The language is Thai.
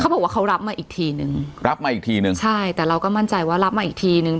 บอกว่าเขารับมาอีกทีนึงรับมาอีกทีนึงใช่แต่เราก็มั่นใจว่ารับมาอีกทีนึง